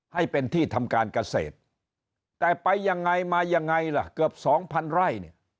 ให้เป็นที่ทำการเกษตรแต่ไปยังไงมายังไงล่ะเกือบสองพันไร่เนี่ย